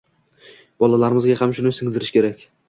bolalarimizga ham shuni singdirish kerak.